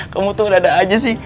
kamu tuh dada aja sih